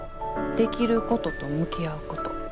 「できることと向き合うこと」。